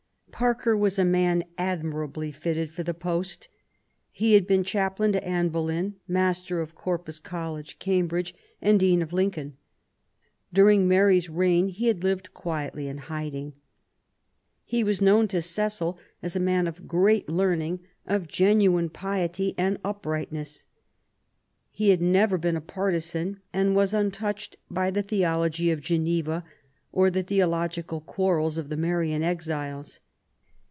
Parker was a man admirably fitted for the post. He had been chaplain to Anne Boleyn, Master of Corpus College, Cambridge, and Dean of Lincoln. During Mary*s reign he had lived quietly in hiding. He was known to Cecil as a man of great learning, of genuine piety and upright ness. He had never been a partisan, and was untouched by the theology of Geneva or the theologi cal quarrels of the Marian exiles.